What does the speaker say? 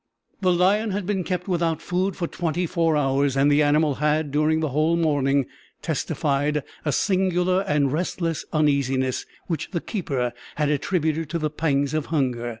The lion had been kept without food for twenty four hours, and the animal had, during the whole morning, testified a singular and restless uneasiness, which the keeper had attributed to the pangs of hunger.